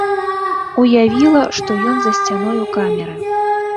Уявіла, што ён за сцяною камеры.